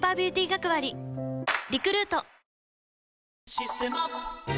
「システマ」